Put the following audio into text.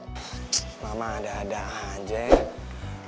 ck mama ada ada aja ya